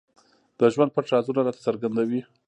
د ژوند پټ رازونه راته څرګندوي.